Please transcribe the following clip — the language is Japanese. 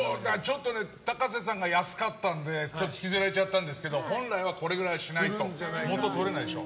タカセさんが安かったんでちょっと引きずられちゃったんだけど本来はこれくらいしないと元取れないでしょ。